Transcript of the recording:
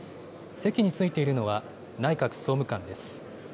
席に着いているのは、内閣総務官です。